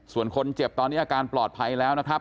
ส่วนคนเจ็บตอนนี้อาการปลอดภัยแล้วนะครับ